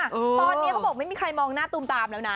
ตอนนี้เขาบอกไม่มีใครมองหน้าตูมตามแล้วนะ